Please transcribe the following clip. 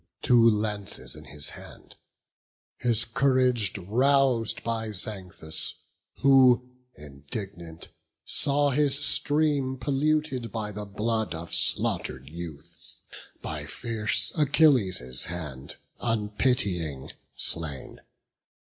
Two lances in his hand; his courage rous'd By Xanthus, who, indignant, saw his stream Polluted by the blood of slaughter'd youths, By fierce Achilles' hand, unpitying, slain.